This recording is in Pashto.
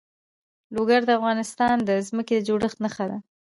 لوگر د افغانستان د ځمکې د جوړښت نښه ده.